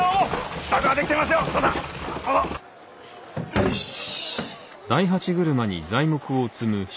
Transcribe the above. よし。